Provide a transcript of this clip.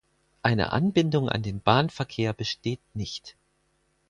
Eine Anbindung an den Bahnverkehr besteht nicht.